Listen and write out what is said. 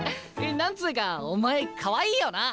何つうかお前かわいいよな。